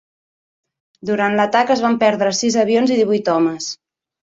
Durant l'atac es van perdre sis avions i divuit homes.